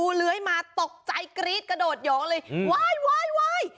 ก็ไม่รู้เลื้อยมาตกใจกรี๊ดกระโดดหยองเลยว้ายว้ายว้าย